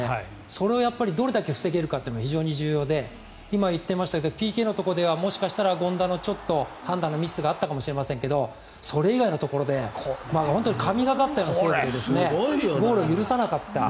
それをどれだけ防げるかというのが非常に重要で今、言ってましたがＰＫのところではもしかしたら権田の判断のミスがあったかもしれませんがそれ以外のところで神懸かったセーブでゴールを許さなかった。